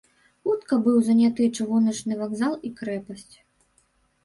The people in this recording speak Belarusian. Хутка быў заняты чыгуначны вакзал і крэпасць.